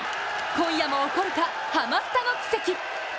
今夜も起こるか、ハマスタの奇跡。